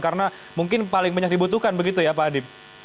karena mungkin paling banyak dibutuhkan begitu ya pak adip